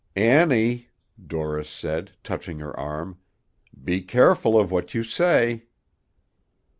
"Annie," Dorris said, touching her arm, "be careful of what you say."